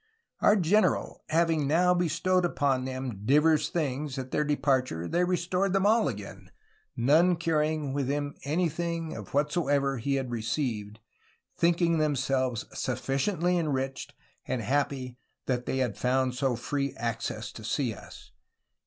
Our Generall hauing now bestowed vpon them diuers things, at their departure they restored them all againe, none carrying with him anything of whatsoeuer hee had receiued, thinking themselues sufficiently enriched and happie that they had found so free ac cesse to see vs."